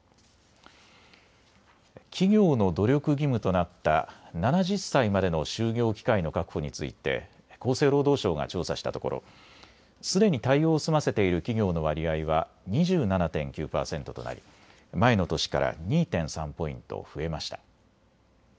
企業の努力義務となった７０歳までの就業機会の確保について厚生労働省が調査したところすでに対応を済ませている企業の割合は２７．９％となり前の年から２．３ポイント増えました。